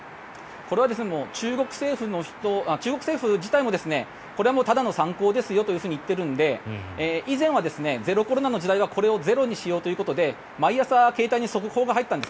これは中国政府自体もこれはもうただの参考ですと言っているので以前はゼロコロナの時代はこれをゼロにしようということで毎朝、携帯に速報が入ったんです